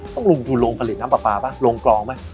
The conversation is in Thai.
ต้องลงทุนลงผลิตน้ำปลาป่ะลงกรองไหม